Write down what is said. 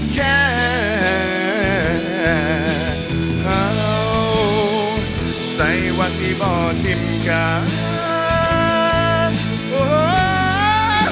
ขอบคุณมาก